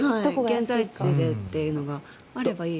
現在地でというのがあればいい。